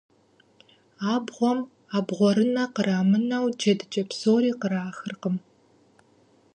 Абгъуэм абгъурынэ кърамынэу, джэдыкӏэ псори кърахыркъым.